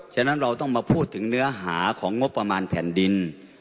ฉะนั้นเราต้องมาพูดถึงเนื้อหาของงบประมาณแผ่นดิน